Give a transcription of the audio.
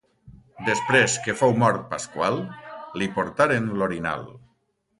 Després que fou mort Pasqual, li portaren l'orinal.